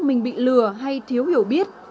mình bị lừa hay thiếu hiểu biết